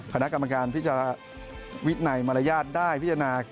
คณะกรรมการพิจารณาวินัยมารยาทได้พิจารณา